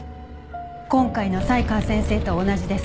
今回の才川先生と同じです。